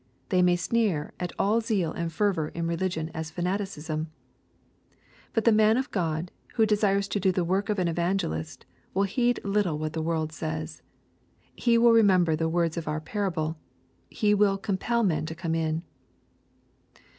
They may sneer at all zeal and fervor in religion as fanaticism. But the man of God," who desires to do the work of an evangelist, will heed little what the world says. He will remember the words of our parable. He will " compel men to come in.''